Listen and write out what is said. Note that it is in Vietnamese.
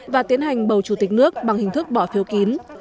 và tiến hành bầu chủ tịch nước bằng hình thức bỏ phiếu kín